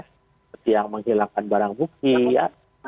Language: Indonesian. seperti yang menghilangkan barang bukti ya